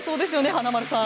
華丸さん。